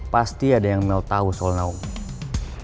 pasti ada yang mel tau soal naomi